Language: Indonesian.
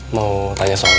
mau tanya soal lady